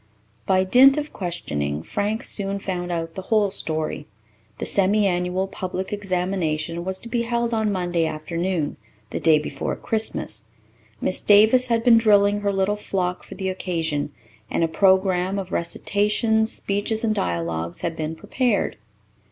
By dint of questioning Frank soon found out the whole story. The semi annual public examination was to be held on Monday afternoon, the day before Christmas. Miss Davis had been drilling her little flock for the occasion; and a program of recitations, speeches, and dialogues had been prepared.